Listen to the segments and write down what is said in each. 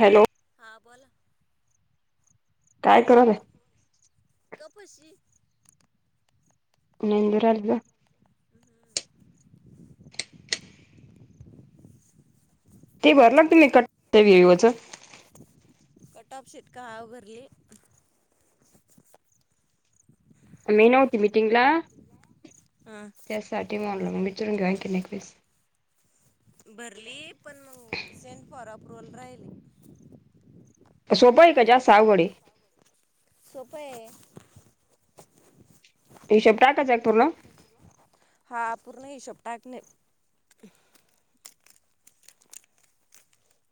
Hello. हां बोला. काय करत आहे. कप बशी नंदुरला ते भर लागत कटचं कट ऑफ [inaudible] कवा भरली. मेनावती मीटिंगला हा त्यासाठीी म मिटरयस भरली पण मग सेंट फॉर अप्रुवल राहिली. सोपा आहे का जास्त अवघड आहे. सोपय हिशोब टाकायचा पूर्ण. हा पूर्ण हिशब टाकले.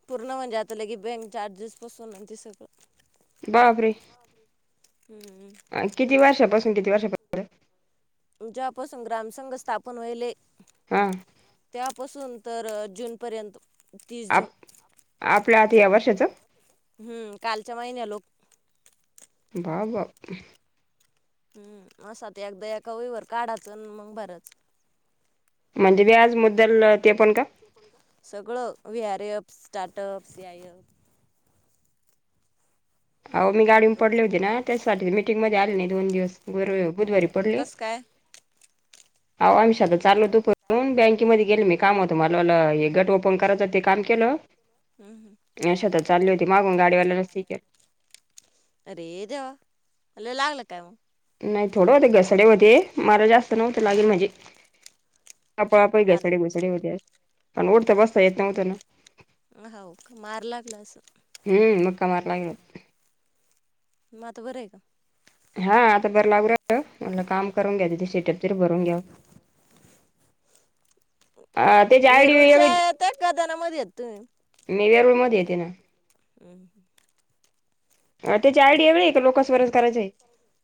पूर्ण म्हणजे आलं की बँक चार्जेस पासून ते सगळं. बापरे. हम्म. किती वर्षापासून किती वर्षापास. जेव्हापासून ग्राम संघ स्थापन होईल हम. त्यापासून तर जून पर्यंत तीस जून. आप आपल्या आता या वर्षाचं हम्म कालच्या महिन्या लोक बा बा हम् असा तर एकदा एका वईवरर काढाचं मग भराच म्हणजे वी आज मुद्दलते आपण का. सगळं V R S starter up CIF हो मी गाडीून पडले एफ होती. ना त्याच्यासाठी मीटिंगमध्ये आले नाही दोन दिवसर बुधवारी पडली. कसं काय हम्म अहो आम्ही शेतात चाललो आता दुपारून बँकेमध्ये गेल मी काम होत. मलाला हे गट ओपन करायचं ते काम केलं. हम् हम्. यशात चालली होती मागून गाडीवाल्यालाच सीके अरे देवा लय लागलं काय मग नाही थोडं होते घसडे होते मार जास्त नव्हत लागेल म्हणजे. आप आप हा ना घसाडे घैसाड हो्या पण उठता बसता येत नव्हत ना ह का मार लागलं असंल. ह मुका मार लागला. म आता बर आहे का? हा आता बरं लागू रा म्हट काम करून घ्या. तिथे सेटअप तरी भरून घ्या. [unintelligible] त्याची आयडी वेगळी विरूजता कदानामध्ये य तुम्ही मी वरुळ मध्ये येते ना हम्. अ ते चार एवढ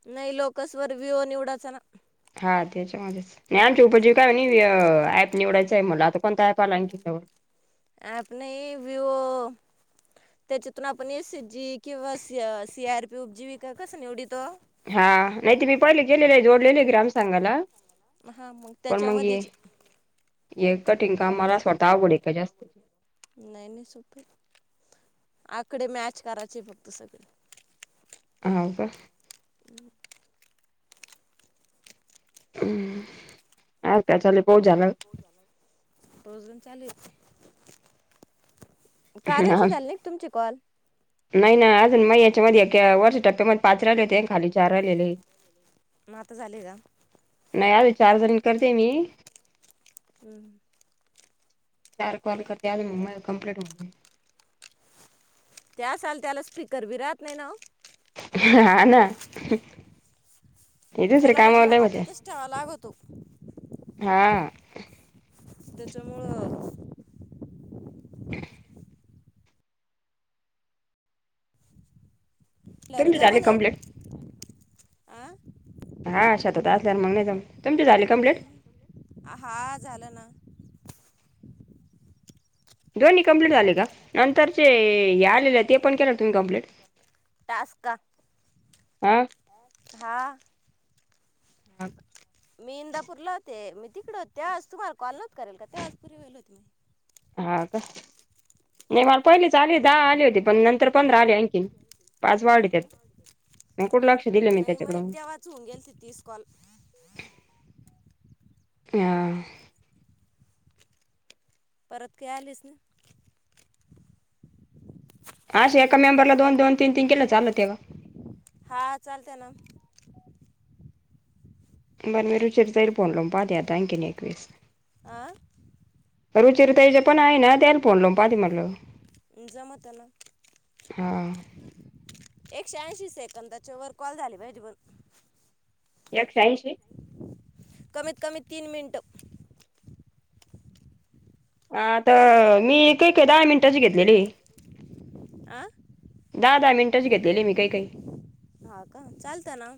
नाही लोकसवर व्ह्यू निवडाचा ना. [inaudible] नाही आमची उपजीवी काय म्हनी, अ ऍप निवडायचंय म्हणलं, आता कोणता ऍप आला आणखी नवीन? आप नही विवो त्याच्यातून आपण एच एस जी किंवा सिय सि आर पी उपजीविका कस निवडीतो? हा. नाही ते मी पहिले केलेले आहे. जोडलेले आहे ग्राम संघाला. म हा मग त्याच्यामध्येच. एक कठीण काम मला असं वाटतं अवघडे. लई अवघडे. नही नही सोपय. आकडे मॅच करायचे फक्त सगळे. हाऊ का? [unintelligible] हं. अजून काय चाललंय? पाऊस झाला का? पाऊस गंज चालूये. का? कार्याचे झाले? तुमचे कॉल, नाही नाही अजून म याच्यामध्ये वर्ष टक् ते म्हणी पाच राहिले होते खाली चार राहिलेले. मग आता झाले का नाही अजून चार जनी करते मी. हं. चार कॉल करते अजून मग माझे कम्प्लेट होऊन जाईल. ते आसल त्याला स्पीकर बी राहत नाही ना ओ. हा ना. हे दुसरे तेला लगी कामावर लय होते हातातच ठेवावं लागतो. हा. त्याच्यामुळं असल्यावर तुमचे झाले जमन हे. कंप्लीट? आं? हा शेतात असल्यावर मग नाही जमत. तुमचे झाले कंप्लेट? हा झालं ना. दोन्ही कंमप्लीट झाले का? नंतरचे हे आलेले ते पण केलं का तुम्ही कमप्लीट? टास्क का? हं. हा. हं. मी इंदापूरला होते. मी तिकड होत तेव्हाच तुमला कॉल नव्हता करेल का? तेव्हाच पुरे होईल होते. हा का? नाही मला पहिलेच आले, दहा आले होते पण नंतर पंधरा आले आणखीन. पाच हा वाढले त्यात. का म कुठ लक्ष दिलं मी नाही त्याच्याकड मग म. तेव्हाच होऊन गेल ती तीस कॉल हां. परत काही आलेच ना. अशे हॅलो एका मेंबरला दोन दोन तनी तीन केलं त चालत्या का? हा, चालत्या ना. बरं मी रुचिरा ताईला फोन लावून पहाते आता आणखीन एकवेळेस. अं? रुचिरताइचे पण आहे ना, त्यायला फोन लावून पाहाते म्हटलं. जमतं ना. हा. एकशे ऐंशी सेकंदाच्या वर कॉल झाली पाहिजे फक्त. एकशे ऐंशी? कमीत कमी तीन मिनिट. आता मी काही काही दहा मिनटाची घेतलेले. आं? दहा दहा मिनिटचे घेतलेले मी काही काही. हा का? चालत ना.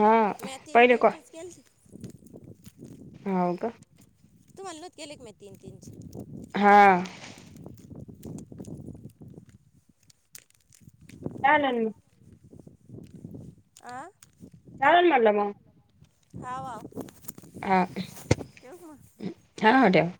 हा म्या तीन पहिले तीन चेच केलते. हांव कां तूमंल्लोत केले की मं तीनं तीनं चे हां [unintelligible] आं चालणं म्हटलं मं हाव हाव हां हां ठेवां